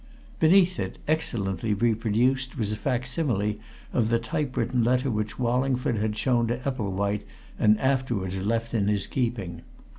Beneath it, excellently reproduced, was a facsimile of the typewritten letter which Wallingford had shown to Epplewhite and afterwards left in his keeping.